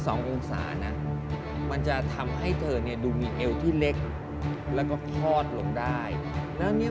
ทอนล่าทุกสิ่งเลย